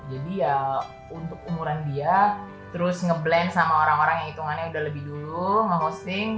jadi ya untuk umuran dia terus nge blend sama orang orang yang hitungannya udah lebih dulu nge hosting